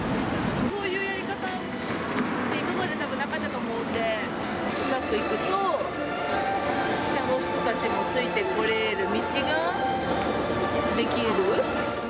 そういうやり方、今までなかったと思うので、うまくいくと、下の人たちもついてこれる道が出来る。